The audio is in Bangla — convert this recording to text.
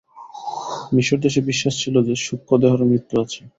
মিশরদেশে বিশ্বাস ছিল যে, সূক্ষ্মদেহেরও মৃত্যু আছে।